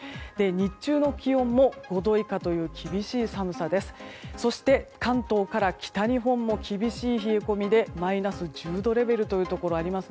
日中の気温も５度以下という厳しい寒さです。